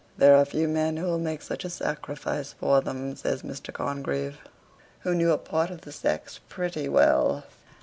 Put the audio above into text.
"There are few men who will make such a sacrifice for them," says Mr. Congreve, who knew a part of the sex pretty well.